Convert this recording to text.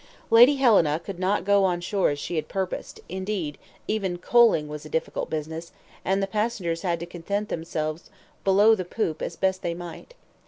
Lady Helena could not go on shore as she had purposed; indeed, even coaling was a difficult business, and the passengers had to content themselves below the poop as best they might.